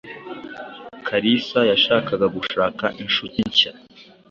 Kalisa yashakaga gushaka inshuti nshya.